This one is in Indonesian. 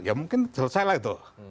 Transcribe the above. ya mungkin selesailah itu